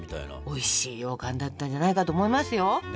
おいしいようかんだったんじゃないかと思いますよ。